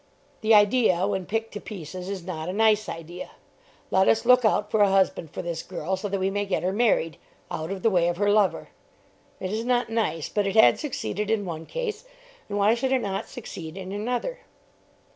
The idea when picked to pieces is not a nice idea. "Let us look out for a husband for this girl, so that we may get her married, out of the way of her lover." It is not nice. But it had succeeded in one case, and why should it not succeed in another?